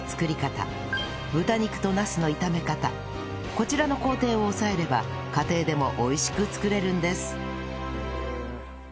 こちらの工程を押さえれば家庭でも美味しく作れるんです